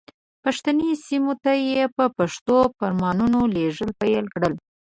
پښتني سیمو ته یې په پښتو فرمانونه لېږل پیل کړل.